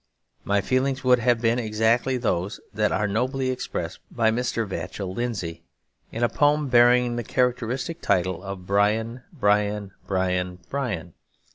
My feelings would have been exactly those that are nobly expressed by Mr. Vachell Lindsay, in a poem bearing the characteristic title of 'Bryan, Bryan, Bryan, Bryan.'